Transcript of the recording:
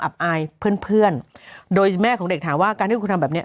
อับอายเพื่อนโดยแม่ของเด็กถามว่าการที่คุณทำแบบนี้